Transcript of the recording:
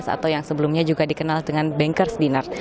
atau yang sebelumnya juga dikenal dengan bankers dinner